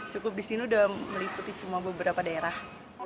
cukup di sini udah meliputi semua beberapa daerah